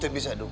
teh bisa dong